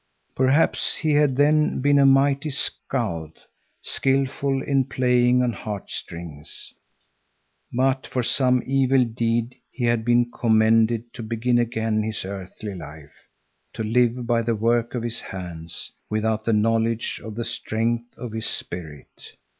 Perhaps he had then been a mighty skald, skilful in playing on heartstrings. But for some evil deed he had been condemned to begin again his earthly life, to live by the work of his hands, without the knowledge of the strength of his spirit.